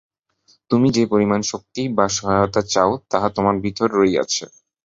তুমি যে পরিমাণ শক্তি বা সহায়তা চাও, তাহা তোমার ভিতরেই রহিয়াছে।